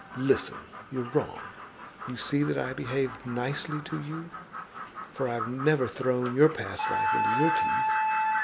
Listen! You're wrong. You see that I behave nicely to you, for I've never thrown your past life into your teeth.